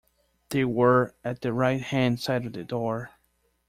They were at the righthand side of the door.